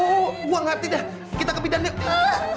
oh uang hati dah kita ke bidangnya